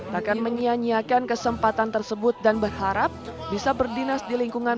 akan menyianyiakan kesempatan tersebut dan berharap bisa berdinas di lingkungan